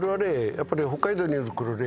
やっぱり北海道にいる頃ね